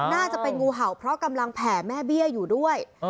น่าจะเป็นงูเห่าเพราะกำลังแผ่แม่เบี้ยอยู่ด้วย